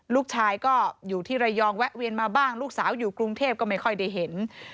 ลูกชายก็อยู่ที่ระยองแวะเวียนมาบ้างลูกสาวอยู่กรุงเทพก็ไม่ค่อยได้เห็น